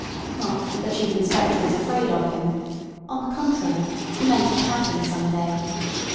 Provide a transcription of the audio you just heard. Not that the Chief Inspector was afraid of him; on the contrary, he meant to have him some day.